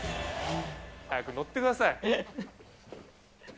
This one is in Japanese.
早く乗ってください。